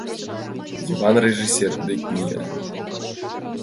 Йыван режиссёр дек мия.